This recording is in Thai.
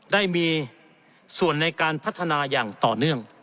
ได้มีส่วนในการพัฒนาอย่างต่อเนื่อง